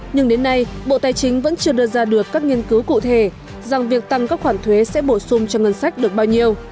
nhưng đến nay bộ tài chính vẫn chưa đưa ra được các nghiên cứu cụ thể rằng việc tăng các khoản thuế sẽ bổ sung cho ngân sách được bao nhiêu